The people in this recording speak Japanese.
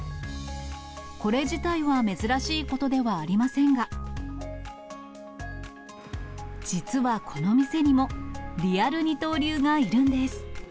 これ自体は珍しいことではありませんが、実はこの店にも、リアル二刀流がいるんです。